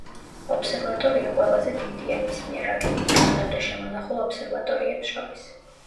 ობსერვატორია ყველაზე დიდია მის მიერ აგებულ და დღემდე შემონახულ ობსერვატორიებს შორის.